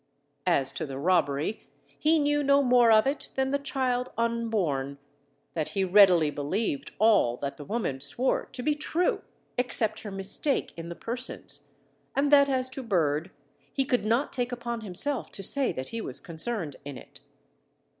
As to the robbery, he knew no more of it than the child unborn, that he readily believed all that the woman swore to be true, except her mistake in the persons; and that as to Bird, he could not take upon himself to say that he was concerned in it.